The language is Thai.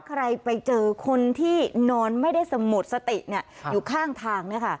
ใครไปเจอคนที่นอนไม่ได้สงบสติอยู่ข้างทาง